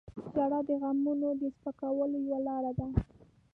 • ژړا د غمونو د سپکولو یوه لاره ده.